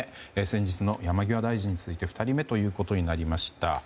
先日の山際大臣に続いて２人目ということになりました。